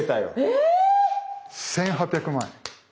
え⁉１，８００万円。